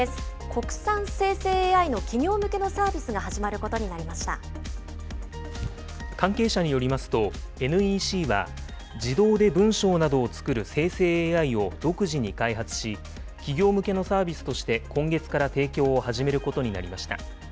国産生成ＡＩの企業向けのサービ関係者によりますと、ＮＥＣは、自動で文章などを作る生成ＡＩを独自に開発し、企業向けのサービスとして今月から提供を始めることになりました。